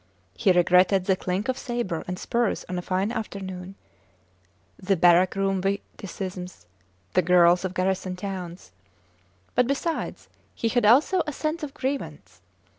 He regretted the clink of sabre and spurs on a fine afternoon, the barrack room witticisms, the girls of garrison towns; but, besides, he had also a sense of grievance.